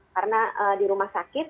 karena di rumah sakit